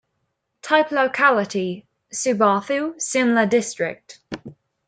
Type locality: Subathu, Simla District.